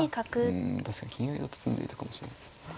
うん確かに金合いだと詰んでいたかもしれません。